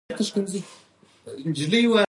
ننګرهار د افغان ځوانانو لپاره دلچسپي لري.